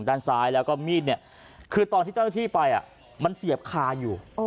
ด้านซ้ายแล้วก็มีดคือตอนที่เดินที่ไปมันเสียบคาอยู่